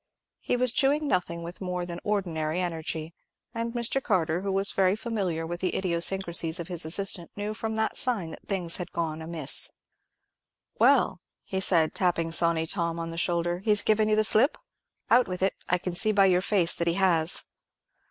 He was chewing nothing with more than ordinary energy; and Mr. Carter, who was very familiar with the idiosyncrasies of his assistant, knew from that sign that things had gone amiss. "Well," he said, tapping Sawney Tom on the shoulder, "he's given you the slip? Out with it; I can see by your face that he has."